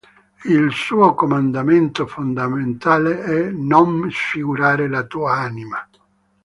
Il suo comandamento fondamentale è "Non sfigurare la tua anima".